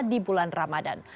di bulan ramadan